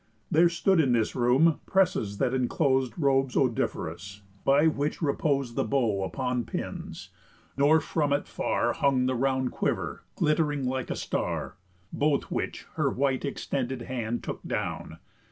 There stood in this room presses that enclos'd Robes odoriferous, by which repos'd The bow was upon pins; nor from it far Hung the round quiver glitt'ring like a star; Both which her white extended hand took down.